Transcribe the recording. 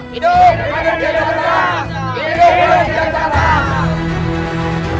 padahal saya usiana